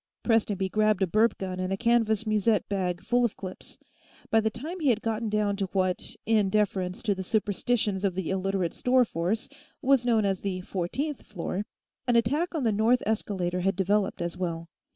Prestonby grabbed a burp gun and a canvas musette bag full of clips. By the time he had gotten down to what, in deference to the superstitions of the Illiterate store force, was known as the fourteenth floor, an attack on the north escalator had developed as well.